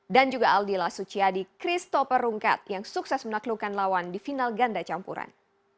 dan juga aldila suciadi christopher rungkat yang sukses menaklukkan lawan di final ganda campuran